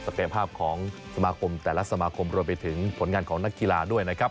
สังเกตภาพของสมาครมแหละสมาครมโดยไปถึงผลงานของนักกีฬาด้วยนะครับ